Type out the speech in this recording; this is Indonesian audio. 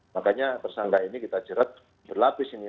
makanya tersangka ini kita jerat berlapis ini